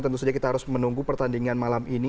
tentu saja kita harus menunggu pertandingan malam ini